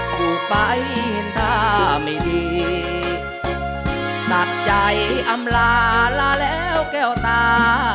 ถูกไปเห็นท่าไม่ดีตัดใจอำลาลาแล้วแก้วตา